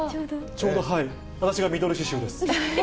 ちょうど、私がミドル脂臭です。